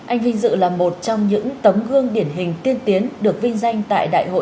anh vinh dự là một trong những tấm gương điển hình tiên tiến được vinh danh